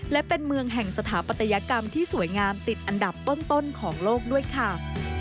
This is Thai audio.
และเป็นเมืองแห่งสถาปัตยกรรมที่สวยงามติดอันดับต้นของโลกด้วยค่ะ